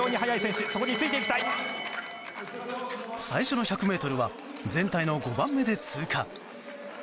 最初の１００ｍは全体の５番目で通過。